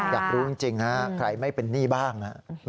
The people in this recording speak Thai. อยากรู้จริงฮะใครไม่เป็นหนี้บ้าง